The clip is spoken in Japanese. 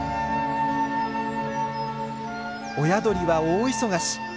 親鳥は大忙し。